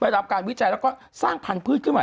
ไปทำการวิจัยแล้วก็สร้างพันธุ์พืชขึ้นใหม่